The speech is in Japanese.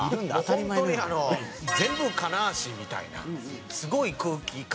本当にあの全部金足みたいなすごい空気感。